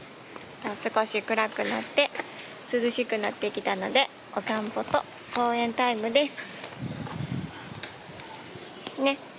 少し暗くなって、涼しくなってきたので、お散歩と公園タイムです。